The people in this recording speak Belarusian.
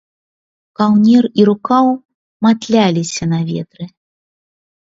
Каўнер і рукаў матляліся на ветры.